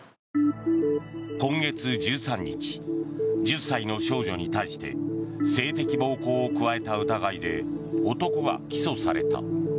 今月１３日１０歳の少女に対して性的暴行を加えた疑いで男が起訴された。